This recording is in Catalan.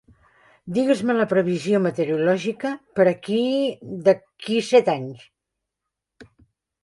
Digues-me la previsió meteorològica per a aquí d'aquí a set anys.